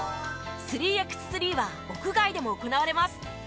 ３ｘ３は屋外でも行われます。